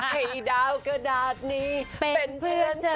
ไอ้ดาวกระดาษนี้เป็นเพื่อนเธอ